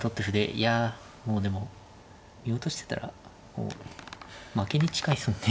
いやもうでも見落としてたらもう負けに近いですもんね。